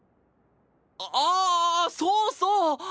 あっああそうそう！